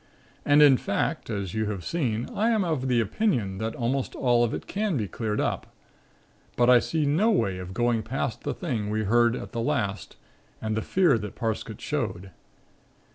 And, in fact, as you have seen, I am of the opinion that almost all of it can be cleared up, but I see no way of going past the thing we heard at the last and the fear that Parsket showed.